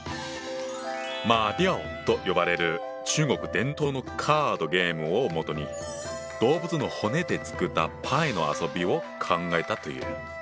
馬吊と呼ばれる中国伝統のカードゲームをもとに動物の骨で作ったパイの遊びを考えたという。